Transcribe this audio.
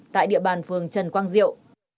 tại địa bàn phường trần quang diệu